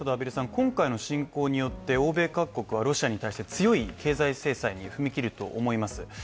今回の侵攻によって欧米各国はロシアに対して強い経済制裁に踏み切ると思います。